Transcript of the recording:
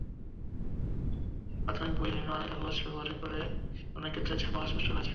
প্রাথমিকের বইয়ে নিম্নমানের কাগজ ব্যবহার করায় অনেক ক্ষেত্রে ছাপা অস্পষ্ট হয়েছে।